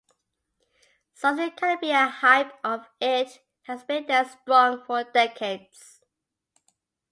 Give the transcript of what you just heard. Something cannot be a hype if it has been there strong for decades.